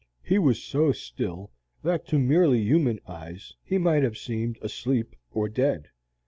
He was so still that to merely human eyes he might have seemed asleep or dead.